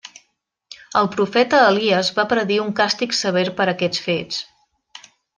El profeta Elies va predir un càstig sever per aquests fets.